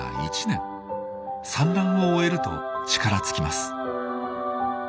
産卵を終えると力尽きます。